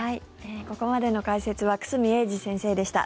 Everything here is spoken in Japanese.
ここまでの解説は久住英二先生でした。